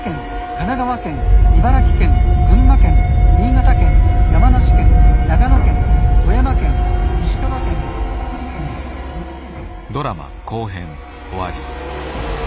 神奈川県茨城県群馬県新潟県山梨県長野県富山県石川県福井県岐阜県」。